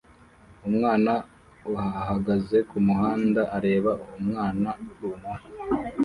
Umwana ahagaze kumuhanda areba umwana runaka